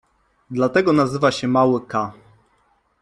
Dlatego nazywa się mały k.